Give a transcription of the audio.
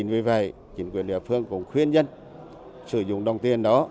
vì vậy chính quyền địa phương cũng khuyên dân sử dụng đồng tiền đó